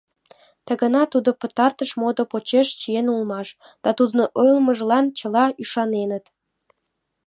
Ты гана тудо пытартыш модо почеш чиен улмаш, — да тудын ойлымыжлан чылан ӱшаненыт.